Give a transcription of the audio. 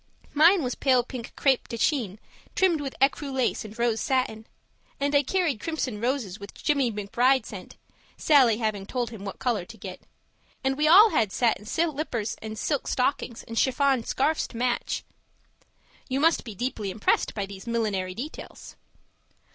Mine was pale pink crepe de chine trimmed with ecru lace and rose satin. And I carried crimson roses which J. McB. sent (Sallie having told him what colour to get). And we all had satin slippers and silk stockings and chiffon scarfs to match. You must be deeply impressed by these millinery details.